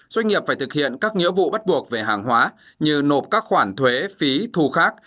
doanh nghiệp phải thực hiện các nghĩa vụ bắt buộc về hàng hóa như nộp các khoản thuế phí thu khác